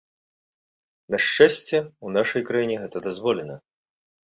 На шчасце, у нашай краіне гэта дазволена.